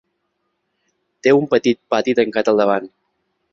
Té un petit pati tancat al davant.